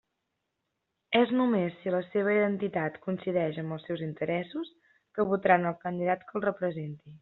És només si la seva identitat coincideix amb els seus interessos, que votaran el candidat que els representi.